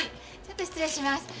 ちょっと失礼します。